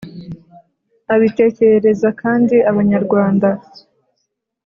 abitekerereza kandi abanyarwanda.